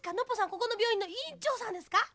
ここの病院のいんちょうさんですか？